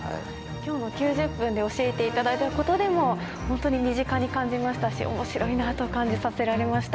今日の９０分で教えていただいたことでも本当に身近に感じましたし面白いなと感じさせられました。